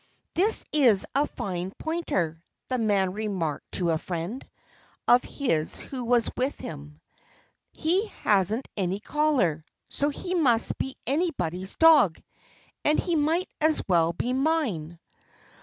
"This is a fine pointer," the man remarked to a friend of his who was with him. "He hasn't any collar; so he must be anybody's dog. And he might as well be mine."